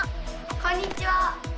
こんにちは！